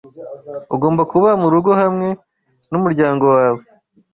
Ugomba kuba murugo hamwe numuryango wawe.